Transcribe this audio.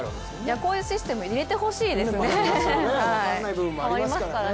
こういうシステム入れてほしいですね。